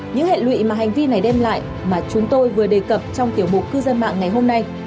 những hệ lụy mà hành vi này đem lại mà chúng tôi vừa đề cập trong tiểu mục cư dân mạng ngày hôm nay